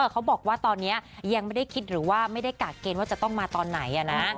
เขาบอกว่าตอนนี้ยังไม่ได้คิดหรือว่าไม่ได้กากเกณฑ์ว่าจะต้องมาตอนไหน